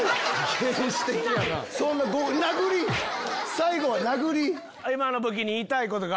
最後は殴り？